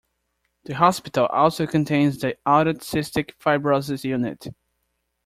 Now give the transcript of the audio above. The hospital also contains the Adult Cystic Fibrosis Unit.